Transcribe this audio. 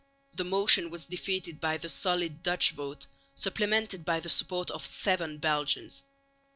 The motion was defeated by the solid Dutch vote, supplemented by the support of seven Belgians.